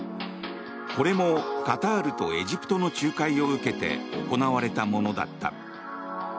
これもカタールとエジプトの仲介を受けて行われたものだった。